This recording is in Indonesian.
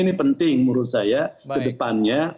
ini penting menurut saya ke depannya